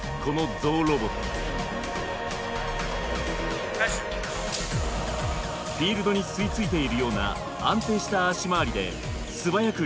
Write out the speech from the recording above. フィールドに吸い付いているような安定した足回りですばやくリングを回収。